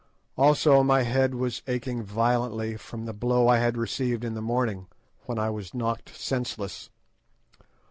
Also my head was aching violently from the blow I had received in the morning, when I was knocked senseless.